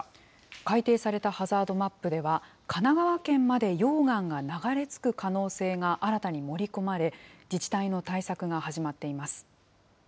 改訂されたハザードマップでは、神奈川県まで溶岩が流れ着く可能性が新たに盛り込まれ、自治体の対策が始まっています。